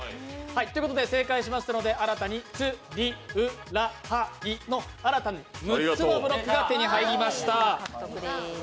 ということで正解しましたので新たに、つりうらはいの６つのブロックが手に入りました。